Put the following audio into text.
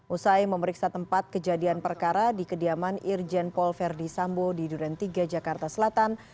usai memeriksa tempat kejadian perkara di kediaman irjen paul verdi sambo di duren tiga jakarta selatan